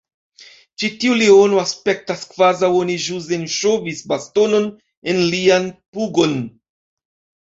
Ĉi tiu leono aspektas kvazaŭ oni ĵus enŝovis bastonon en lian pugon